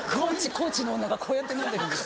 高知の女がこうやって飲んでるんです。